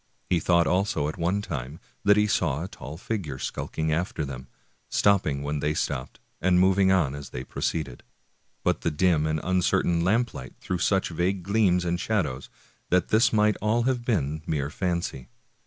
He thought also at one time that he saw a tall figure skulk ing after them, stopping when they stopped and moving on as they proceeded; but the dim and uncertain lamplight threw such vague gleams and shadows that this might all have been mere fancy.